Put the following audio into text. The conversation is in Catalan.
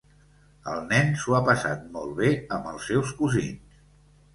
El nen s'ho ha passat molt bé amb els seus cosins.